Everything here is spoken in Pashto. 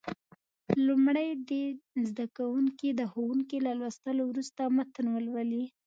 لومړی دې زده کوونکي د ښوونکي له لوستلو وروسته متن ولولي.